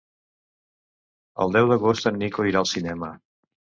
El deu d'agost en Nico irà al cinema.